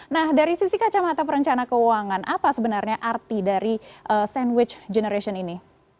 nah dari sisi kacamata perencana keuangan apa sebenarnya arti dari sandwich generation ini